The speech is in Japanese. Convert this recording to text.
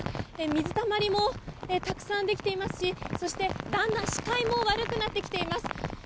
水たまりもたくさんできていますしそしてだんだん視界も悪くなってきています。